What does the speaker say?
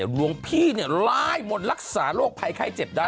หลวงพี่ล่ายมนต์รักษาโรคภัยไข้เจ็บได้